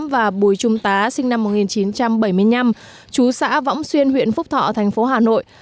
và bùi trung tá sinh năm một nghìn chín trăm bảy mươi năm chú xã võng xuyên huyện phúc thọ thành phố hà nội